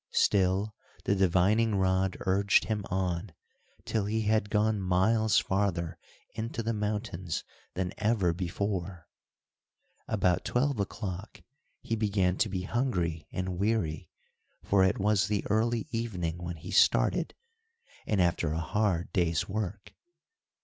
Still the divining rod urged him on, till he had gone miles farther into the mountains than ever before. About twelve o'clock, he began to be hungry and weary, for it was the early evening when he started, and after a hard day's work.